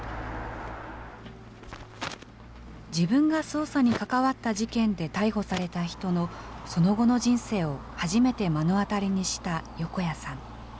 自分が捜査に関わった事件で逮捕された人のその後の人生を初めて目の当たりにした横家さん。